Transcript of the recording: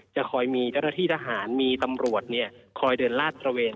จะคอยมีเจ้าหน้าที่ทหารมีตำรวจคอยเดินลาดตระเวน